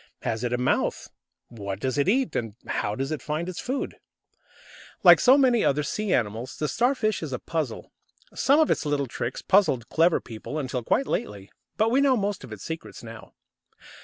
Has it a mouth? What does it eat, and how does it find its food? Like so many other sea animals, the Starfish is a puzzle. Some of its little tricks puzzled clever people until quite lately. But we know most of its secrets now.